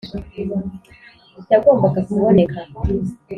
yagombaga kuboneka.